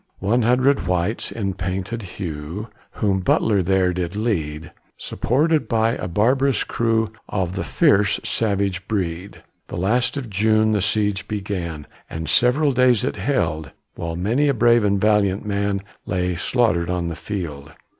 One hundred whites, in painted hue, Whom Butler there did lead, Supported by a barb'rous crew Of the fierce savage breed. The last of June the siege began, And several days it held, While many a brave and valiant man Lay slaughtered on the field.